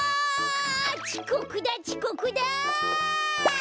ちこくだちこくだ！